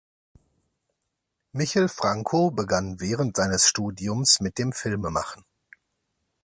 Michel Franco begann während seines Studiums mit dem Filmemachen.